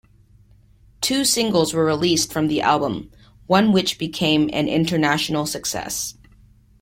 Two singles were released from the album, one which became an international success.